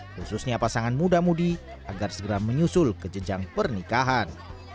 khususnya pasangan muda mudi agar segera menyusul ke jenjang pernikahan